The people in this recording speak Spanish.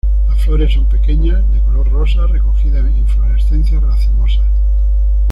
Las flores son pequeñas, de color rosa, recogida en inflorescencias racemosas.